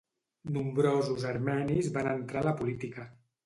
Nombrosos armenis van entrar a la política.